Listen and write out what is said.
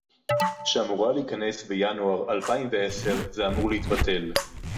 שאמורה להיכנס בינואר אלפיים ועשר זה אמור להתבטל